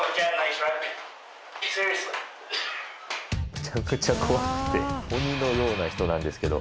めちゃくちゃ怖くて鬼のような人なんですけど。